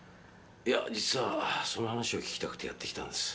いや実はその話を聞きたくてやってきたんです。